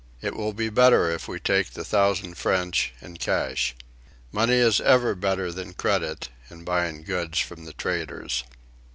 It will be better if we take the thousand French in cash. Money is ever better than credit in buying goods from the traders."